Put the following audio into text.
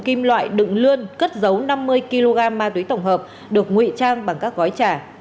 kim loại đựng lươn cất dấu năm mươi kg ma túy tổng hợp được nguy trang bằng các gói trả